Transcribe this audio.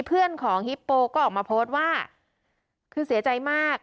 เพื่อนของฮิปโปก็ออกมาโพสต์ว่าคือเสียใจมาก